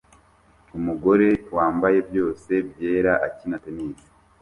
Umugore wambaye byose byera akina tennis